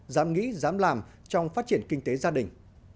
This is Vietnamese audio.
dám nghĩ dám làm trong phát triển kinh tế gia đình